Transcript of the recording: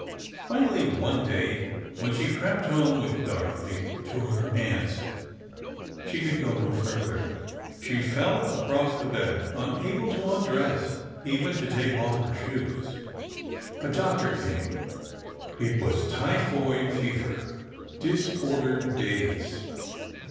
Finally, one day when she crept home with Dorothy, to her aunt's, she could go no further. She fell across the bed, unable to undress, even to take off her shoes. A doctor came. It was typhoid fever. Disordered days